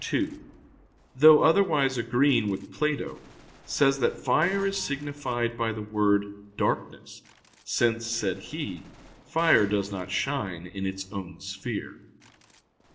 ii), though otherwise agreeing with Plato, says that fire is signified by the word darkness, since, said he, fire does not shine in its own sphere.